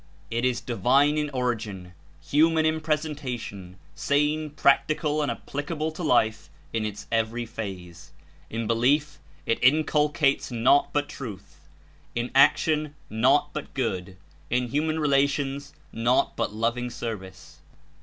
It Is divine In origin, human In presentation, sane, practical and applicable to life In Its every phase. In belief. It Inculcates naught but truth; In action, naught but good; In human relations, naught but loving service.